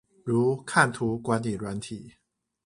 如看圖管理軟體